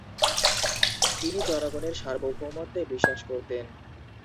তিনি জনগণের সার্বভৌমত্বে বিশ্বাস করতেন।